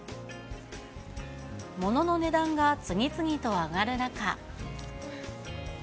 ものの値段が次々と上がる中。